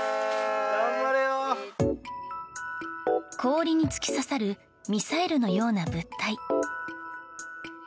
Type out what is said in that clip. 氷に突き刺さるミサイルのような物体。